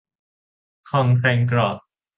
ครองแครงกรอบ